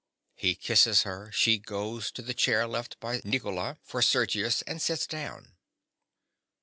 (_He kisses her; she goes to the chair left by Nicola for Sergius, and sits down.